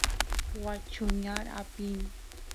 waa chuñar apin